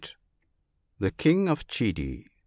The King of Chedi.